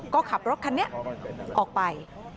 ก็ขับรถคันนี้ออกไป